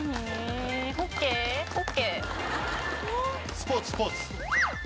スポーツスポーツ。